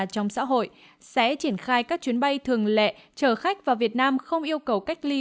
trong xã hội sẽ triển khai các chuyến bay thường lệ chở khách vào việt nam không yêu cầu cách ly